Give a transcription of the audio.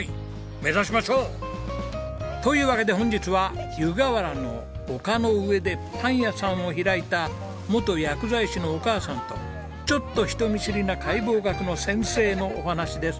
目指しましょう！というわけで本日は湯河原の丘の上でパン屋さんを開いた元薬剤師のお母さんとちょっと人見知りな解剖学の先生のお話です。